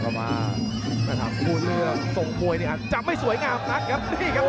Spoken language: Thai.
เยามาพูดเลือกทรงโป่ยจับมาไม่สวยงามนะครับ